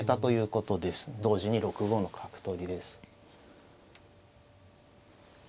同時に６五の角取りです。